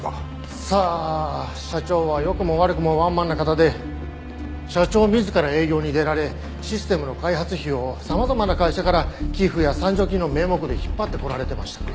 さあ社長は良くも悪くもワンマンな方で社長自ら営業に出られシステムの開発費を様々な会社から寄付や賛助金の名目で引っ張ってこられてましたから。